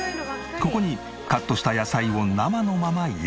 ここにカットした野菜を生のまま入れ